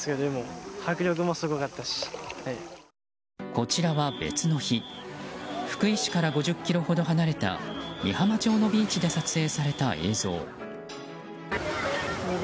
こちらは別の日福井市から５０ｋｍほど離れた美浜町のビーチで撮影された映像。